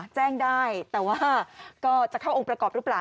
แจ้งได้แต่ว่าก็จะเข้าองค์ประกอบหรือเปล่า